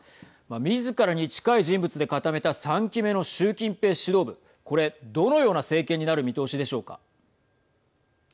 みずからに近い人物で固めた３期目の習近平指導部これ、どのような政権になる見通しでしょうか。